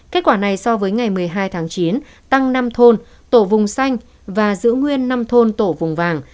kết quả này so với ngày một mươi hai tháng chín tăng năm thôn tổ vùng xanh và giữ nguyên năm thôn tổ vùng vàng